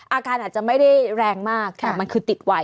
อาการอาจจะไม่ได้แรงมากแต่มันคือติดไว้